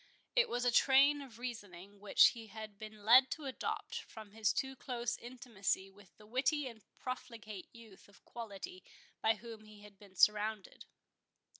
It was a train of reasoning which he had been led to adopt from his too close intimacy with the witty and profligate youth of quality by whom he had been surrounded.